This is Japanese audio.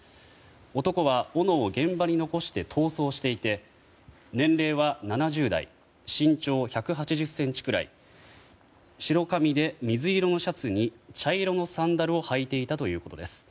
男は、おのを現場に残して逃走していて年齢は７０代身長１８０ｃｍくらい白髪で水色のシャツに茶色のサンダルを履いていたということです。